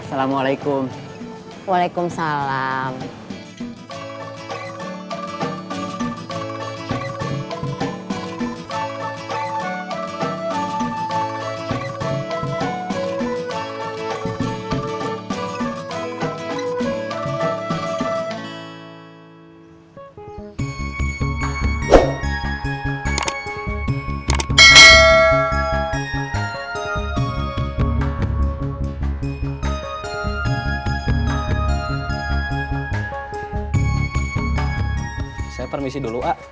aku mau besok kembang main dulu